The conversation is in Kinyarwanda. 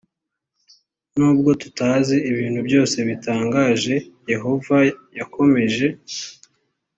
nubwo tutazi ibintu byose bitangaje yehova yakomeje